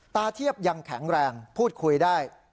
ตาเทียบยังแข็งแรงพูดคุยได้